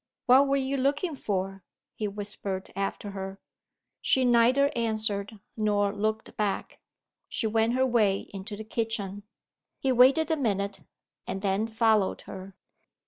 "What were you looking for?" he whispered after her. She neither answered, nor looked back she went her way into the kitchen. He waited a minute, and then followed her.